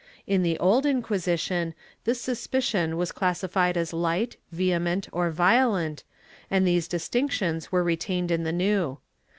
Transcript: In the Old Inquisition, this suspicion was classified as light, vehement or violent and these distinctions were retained in the New.